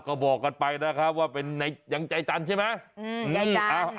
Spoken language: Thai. ก็บอกกันไปนะครับว่าเป็นยังใจจันทร์ใช่ไหม